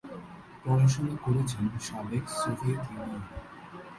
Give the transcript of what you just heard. পড়াশোনা করেছেন সাবেক সোভিয়েত ইউনিয়নে।